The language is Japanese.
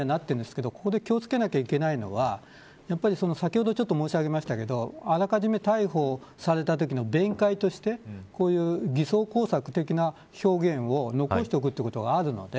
ここで気を付けなきゃいけないのは先ほど申し上げましたけれどあらかじめ逮捕されたときの展開としてこういう偽装工作的な表現を残しておくということがあります。